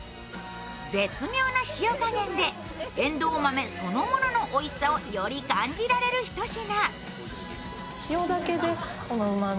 絶妙な塩加減でえんどう豆そのもののおいしさをより感じられる一品。